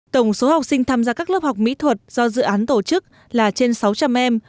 tổng số học sinh tham gia các lớp học mỹ thuật do dự án tổ chức là trên sáu trăm linh em